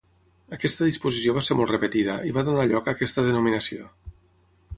Aquesta disposició va ser molt repetida i va donar lloc a aquesta denominació.